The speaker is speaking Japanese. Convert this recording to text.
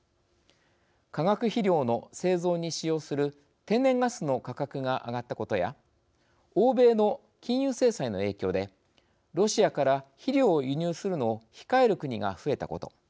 化学肥料の製造に使用する天然ガスの価格が上がったことや欧米の金融制裁の影響でロシアから肥料を輸入するのを控える国が増えたこと。